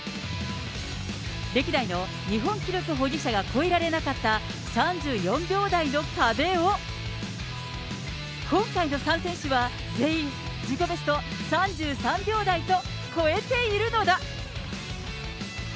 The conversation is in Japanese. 歴代の日本記録保持者が超えられなかった３４秒台の壁を、今回の３選手は全員、自己ベスト３３秒台と超えているのだ。